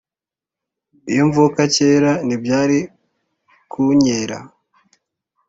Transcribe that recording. Iyo mvuka kera ntibyari kunkera